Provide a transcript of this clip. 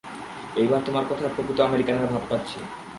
এইবার তোমার কথায় প্রকৃত আমেরিকানের ভাব পাচ্ছি।